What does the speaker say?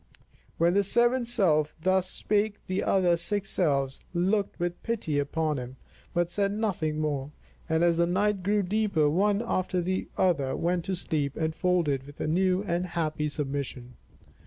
When the seventh self thus spake the other six selves looked with pity upon him but said nothing more; and as the night grew deeper one after the other went to sleep enfolded with a new and happy submission.